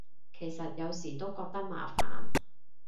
其實有時都覺得麻煩